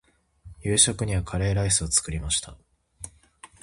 夕食にはカレーライスを作りました。